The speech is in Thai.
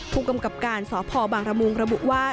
ผู้กำกับการสพบางระมุงระบุว่า